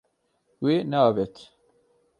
Wê neavêt.